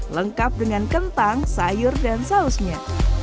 lengkap dengan kentang sayur dan sausnya